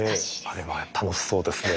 あれは楽しそうですね。